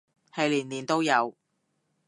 係年年都有